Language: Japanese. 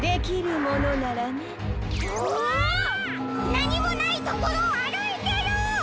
なにもないところをあるいてる！